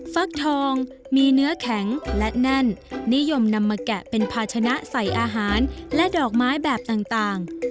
ฟักทองมีเนื้อแข็งและแน่นนิยมนำมาแกะเป็นภาชนะใส่อาหารและดอกไม้แบบต่าง